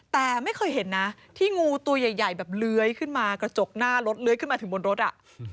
แต่ไม่เคยเห็นนะที่งูตัวใหญ่แบบเลื้อยขึ้นมากระจกหน้ารถเลื้อยขึ้นมาถึงบนรถอ่ะ